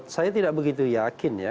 saya tidak begitu yakin ya